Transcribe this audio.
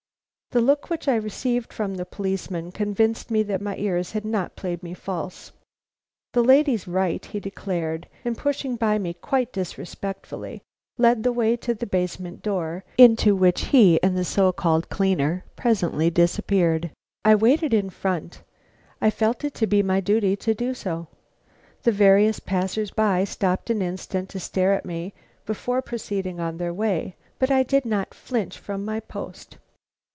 The look which I received from the policeman convinced me that my ears had not played me false. "The lady's right," he declared; and pushing by me quite disrespectfully, he led the way to the basement door, into which he and the so called cleaner presently disappeared. I waited in front. I felt it to be my duty to do so. The various passers by stopped an instant to stare at me before proceeding on their way, but I did not flinch from my post.